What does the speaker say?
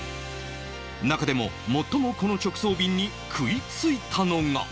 中でも最もこの直送便に食いついたのが。